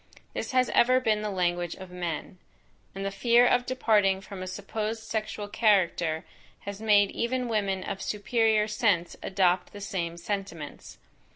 This has ever been the language of men, and the fear of departing from a supposed sexual character, has made even women of superior sense adopt the same sentiments.